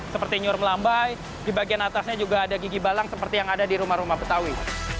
seperti nyur melambai di bagian atasnya juga ada gigi balang seperti yang ada di rumah rumah betawi